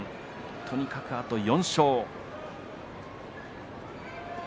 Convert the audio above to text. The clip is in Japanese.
とにかく、あと４勝。